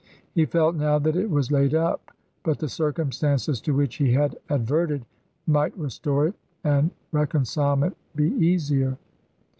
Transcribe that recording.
He felt now that it was laid up, but the circumstances to which he had adverted might restore it and recon cilement be easier.